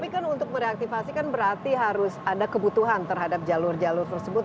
tapi kan untuk mereaktivasi kan berarti harus ada kebutuhan terhadap jalur jalur tersebut